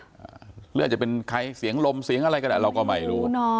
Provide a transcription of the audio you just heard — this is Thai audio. หรืออาจจะเป็นใครเสียงลมเสียงอะไรก็ได้เราก็ไม่รู้